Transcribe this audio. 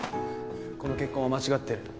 この結婚は間違ってる。